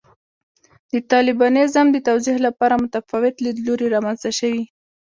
د طالبانیزم د توضیح لپاره متفاوت لیدلوري رامنځته شوي.